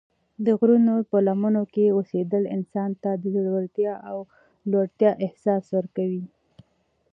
د غرونو په لمنو کې اوسېدل انسان ته د زړورتیا او لوړتیا احساس ورکوي.